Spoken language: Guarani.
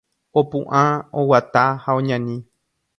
Opu'ã, oguata ha oñani.